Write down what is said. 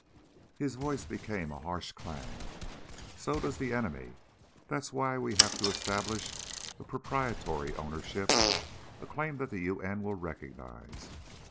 His voice became a harsh clang. "So does the enemy. That's why we have to establish a proprietory ownership, a claim that the U.N. will recognize.